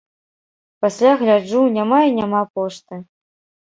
Пасля гляджу, няма і няма пошты.